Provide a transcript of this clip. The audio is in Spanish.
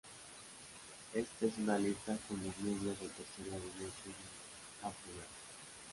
Esta es una lista con los miembros del tercer gabinete de Abdullah.